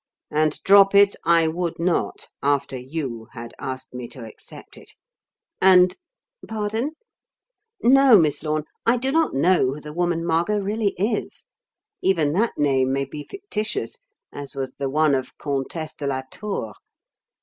And drop it I would not after you had asked me to accept it, and Pardon? No, Miss Lorne, I do not know who the woman Margot really is. Even that name may be fictitious, as was the one of 'Comtesse de la Tour.'